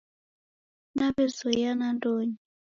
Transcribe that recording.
Naw'ezoiya nandonyi